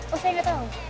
oh saya gak tau